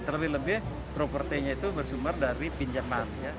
terlebih lebih propertinya itu bersumber dari pinjaman